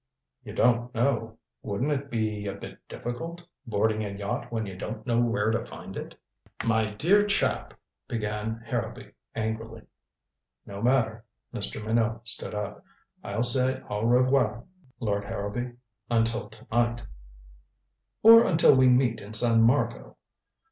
"You don't know? Won't it be a bit difficult boarding a yacht when you don't know where to find it?" "My dear chap " began Harrowby angrily. "No matter." Mr. Minot stood up. "I'll say au revoir, Lord Harrowby until to night." "Or until we meet in San Marco."